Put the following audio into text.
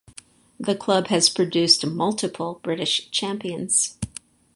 The club has produced multiple British champions.